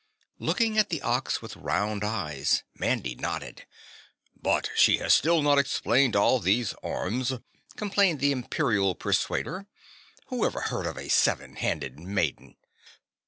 Looking at the Ox with round eyes, Mandy nodded. "But she still has not explained all these arms," complained the Imperial Persuader. "Whoever heard of a seven handed maiden?"